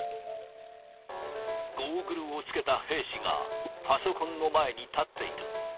ゴーグルをつけた兵士が、パソコンの前に立っている。